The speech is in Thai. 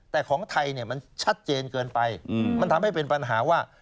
แต่ของไทยเนี่ยมันชัดเจนเกินไปมันทำให้เป็นปัญหาว่า